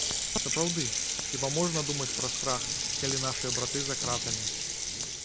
Сапраўды, хіба можна думаць пра страх, калі нашыя браты за кратамі.